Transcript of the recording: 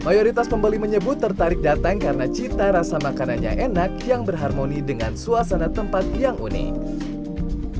mayoritas pembeli menyebut tertarik datang karena cita rasa makanannya enak yang berharmoni dengan suasana tempat yang unik